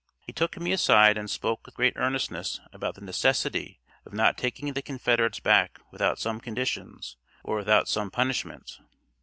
He took me aside and spoke with great earnestness about the necessity of not taking the Confederates back without some conditions or without some punishment.